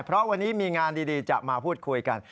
เพราะวันนี้มีงานดีจะมาพูดคุยกัน